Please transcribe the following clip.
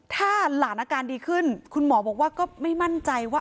ถ้าหลานอาการดีขึ้นคุณหมอบอกว่าก็ไม่มั่นใจว่า